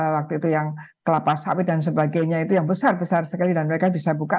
waktu itu yang kelapa sawit dan sebagainya itu yang besar besar sekali dan mereka bisa buka